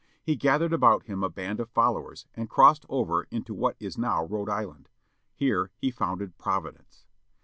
He gathered about him a band of followers, and crossed over into what is now Rhode Island. Here he founded Providence.